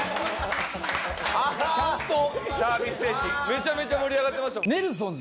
めちゃめちゃ盛り上がってましたもん。